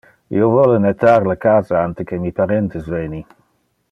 Io vole nettar le casa ante que mi parentes veni.